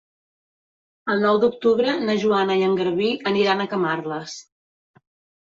El nou d'octubre na Joana i en Garbí aniran a Camarles.